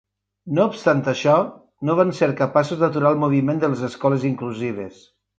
No obstant això, no van ser capaços d'aturar el moviment de les escoles inclusives.